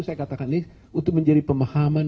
saya katakan ini untuk menjadi pemahaman